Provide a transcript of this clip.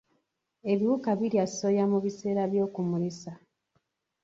Ebiwuka birya soya mu biseera by'okumulisa.